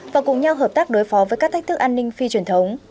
và cùng nhau hợp tác đối phó với các thách thức an ninh phi truyền thống